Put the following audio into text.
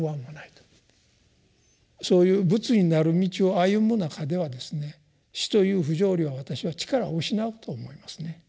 そういう仏になる道を歩む中ではですね「死」という不条理は私は力を失うと思いますね。